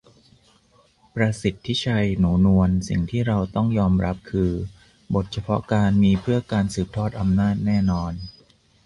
ประสิทธิชัย หนูนวล : สิ่งที่เราต้องยอมรับคือ บทเฉพาะกาลมีเพื่อการสืบทอดอำนาจแน่นอน